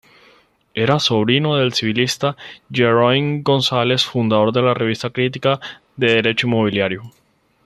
Era sobrino del civilista Jerónimo González, fundador de la "Revista Crítica de Derecho Inmobiliario".